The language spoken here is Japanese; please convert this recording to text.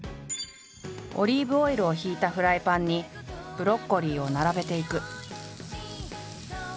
オリーブオイルを引いたフライパンにブロッコリーを並べていく。